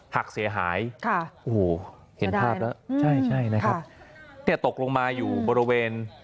หักเสียหายค่ะโอ้โหเห็นภาพแล้วใช่ใช่นะครับเนี่ยตกลงมาอยู่บริเวณ